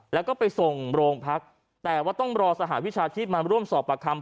แล้วก็ไปส่งโรงพักแต่ว่าต้องรอสหวิชาชีพมาร่วมสอบประคำ